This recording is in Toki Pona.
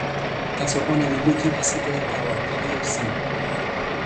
taso ona li lukin e sitelen tawa pi ijo sin.